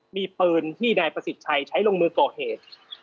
มีปืนที่นายประสิทธิ์ชัยใช้ลงมือก่อเหตุ